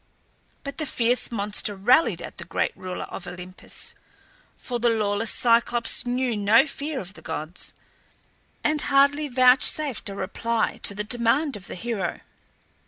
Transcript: But the fierce monster railed at the great ruler of Olympus for the lawless Cyclops knew no fear of the gods and hardly vouchsafed a reply to the demand of the hero.